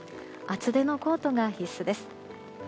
厚手のコートが必須です。